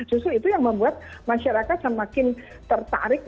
justru itu yang membuat masyarakat semakin tertarik